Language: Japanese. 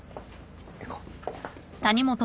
行こう。